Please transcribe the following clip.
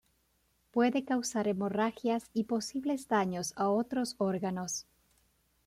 Puede causar hemorragia y posibles daños a otros órganos.